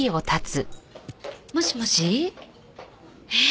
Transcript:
もしもし？え？